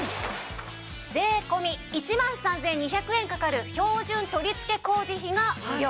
税込１万３２００円かかる標準取り付け工事費が無料。